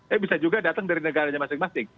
eh bisa juga datang dari negaranya masing masing